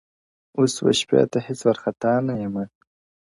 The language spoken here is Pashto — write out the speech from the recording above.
اوس و شپې ته هيڅ وارخطا نه يمه.!